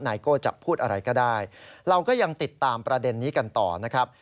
โก้จะพูดอะไรก็ได้เราก็ยังติดตามประเด็นนี้กันต่อนะครับ